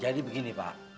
jadi begini pak